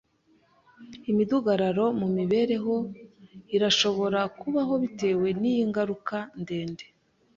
Imidugararo mu mibereho irashobora kubaho bitewe niyi ngaruka ndende.